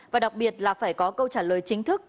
và đặc biệt là phải có câu trả lời chính thức